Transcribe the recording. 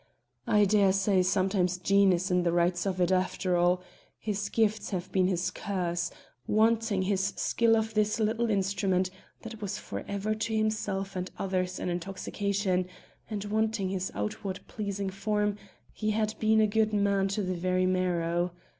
I daresay sometimes Jean is in the rights of it after all his gifts have been his curse; wanting his skill of this simple instrument that was for ever to himself and others an intoxication, and wanting his outward pleasing form, he had been a good man to the very marrow.